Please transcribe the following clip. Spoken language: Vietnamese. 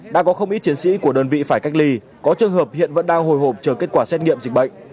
đã có không ít chiến sĩ của đơn vị phải cách ly có trường hợp hiện vẫn đang hồi hộp chờ kết quả xét nghiệm dịch bệnh